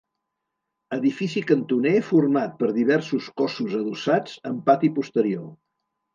Edifici cantoner format per diversos cossos adossats, amb pati posterior.